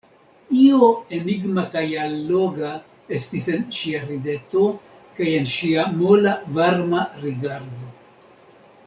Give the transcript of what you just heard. Io enigma kaj alloga estis en ŝia rideto kaj en ŝia mola varma rigardo.